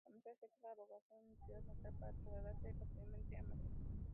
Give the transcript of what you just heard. Comenzó a ejercer la abogacía en su ciudad natal para trasladarse posteriormente a Madrid.